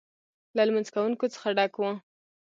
له لمونځ کوونکو څخه ډک و.